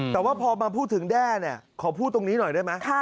แต่ว่าพอมาพูดถึงแด้ขอพูดตรงนี้หน่อยได้ไหม